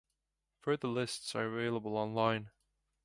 Further lists are available online.